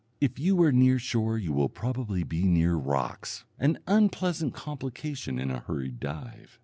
If you are near shore you will probably be near rocks an unpleasant complication in a hurried dive.